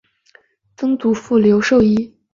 曾祖父刘寿一。